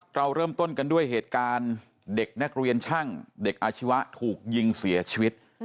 เราเริ่มต้นกันด้วยเหตุการณ์เด็กนักเรียนช่างเด็กอาชีวะถูกยิงเสียชีวิต